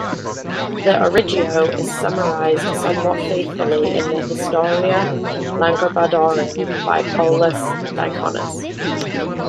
The "Origo" is summarized somewhat faithfully in the "Historia Langobardorum" by Paulus Diaconus.